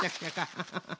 ハハハハ。